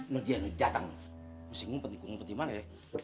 nanti aja lo jateng lo singgung penting penting mana ya